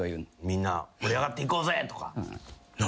「みんな盛り上がっていこうぜ」とか？